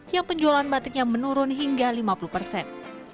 yang penjualan batiknya menurun hingga lima puluh persen